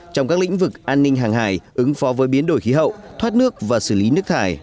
trong các lĩnh vực an ninh hàng hải ứng phó với biến đổi khí hậu thoát nước và xử lý nước thải